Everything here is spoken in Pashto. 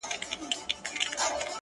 هغه ليونی سوی له پايکوبه وځي;